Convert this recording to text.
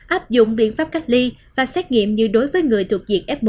áp dụng biện pháp cách ly và xét nghiệm như đối với người thuộc diện f một